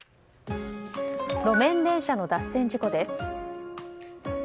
路面電車の脱線事故です。